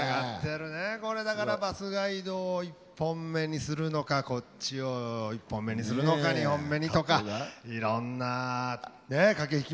これだからバスガイドを１本目にするのかこっちを１本目にするのか２本目にとかいろんな駆け引きも。